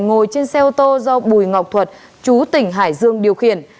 ngồi trên xe ô tô do bùi ngọc thuật chú tỉnh hải dương điều khiển